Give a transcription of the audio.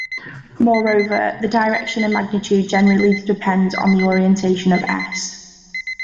Moreover, the direction and magnitude generally depend on the orientation of "S".